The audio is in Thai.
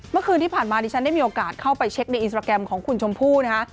เมื่อคืนที่ผ่านมาดิฉันได้มีโอกาสเข้าไปเช็คในอินสตราแกรมของคุณชมพู่นะคะ